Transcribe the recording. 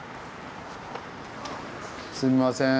すみません。